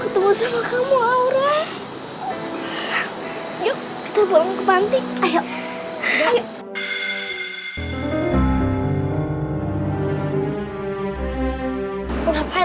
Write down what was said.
tari panti ngapain